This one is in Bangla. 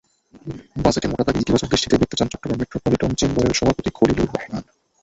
বাজেট মোটা দাগে ইতিবাচক দৃষ্টিতেই দেখতে চান চট্টগ্রাম মেট্রোপলিটন চেম্বারের সভাপতি খলিলুর রহমান।